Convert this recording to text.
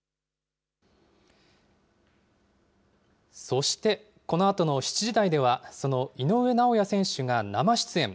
そして、このあとの７時台では、その井上尚弥選手が生出演。